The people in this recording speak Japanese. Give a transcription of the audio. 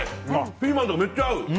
ピーマンとかめっちゃ合う。